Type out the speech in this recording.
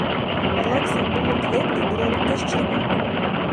Гьалакси къуллукъ лебли дурарухъес чебуркъуб.